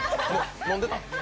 飲んでた？